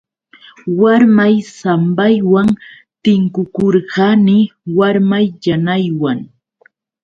Warmay sambaywan tinkukurqani warmay yanaywan.